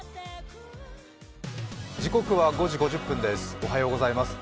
おはようございます。